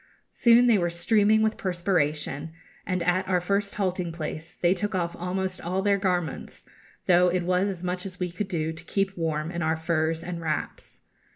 Soon they were streaming with perspiration, and at our first halting place they took off almost all their garments, though it was as much as we could do to keep warm in our furs and wraps.